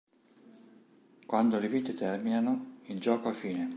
Quando le vite terminano il gioco ha fine.